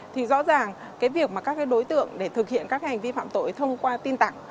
thì rõ ràng cái việc mà các đối tượng để thực hiện các hành vi phạm tội thông qua tin tặng